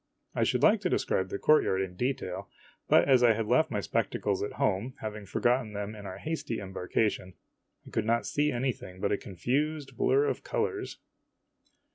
I should like to describe the courtyard in detail, but as I had left my spectacles at home, having forgotten them in our hasty embarkation, I could not see anything but a confused blur of colors.